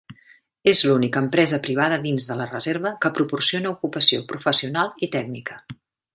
És l'única empresa privada dins de la reserva que proporciona ocupació professional i tècnica.